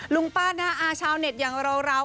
ลุงปั้นนะคะชาวเน็ตยังราร้าว